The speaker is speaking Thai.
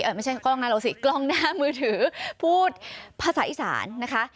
ไม่ใช่กล้องหน้าเราสิกล้องหน้ามือถือพูดภาษาอีสานนะคะ